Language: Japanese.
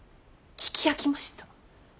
聞き飽きました。